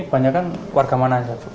kebanyakan warga mana saja